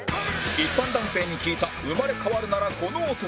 一般男性に聞いた生まれ変わるならこの男